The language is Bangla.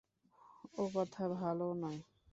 ও কথা ভালো নয়।